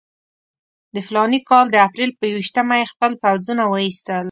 د فلاني کال د اپرېل پر یوویشتمه یې خپل پوځونه وایستل.